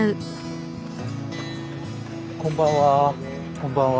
こんばんは。